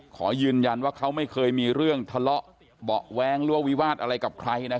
ขอยืนยันว่าเขาไม่เคยมีเรื่องทะเลาะเบาะแว้งหรือว่าวิวาสอะไรกับใคร